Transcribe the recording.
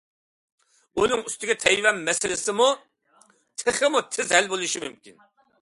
ئۇنىڭ ئۈستىگە تەيۋەن مەسىلىسىمۇ تېخىمۇ تېز ھەل بولۇشى مۇمكىن.